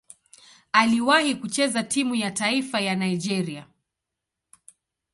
Aliwahi kucheza timu ya taifa ya Nigeria.